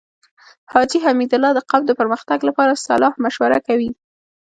حاجی حميدالله د قوم د پرمختګ لپاره صلاح مشوره کوي.